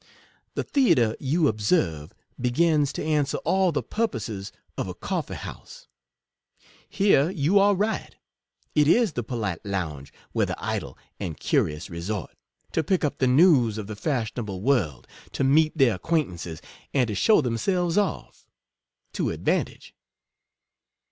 The Theatre, you observe, begins to an swer all the purposes of a coffee house. Here 35 you are right; it is the polite lounge, where the idle and curious resort, to pick up the news of the fashionable world, to meet their acquaintances, and to show themselves off. to advantage.